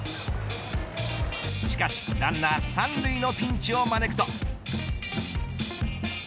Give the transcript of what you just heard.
しかしランナー３塁のピンチを招くと。